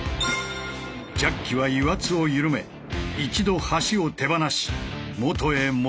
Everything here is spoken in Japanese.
ジャッキは油圧を緩め一度橋を手放し元へ戻る。